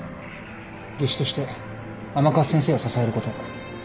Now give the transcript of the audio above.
技師として甘春先生を支えること。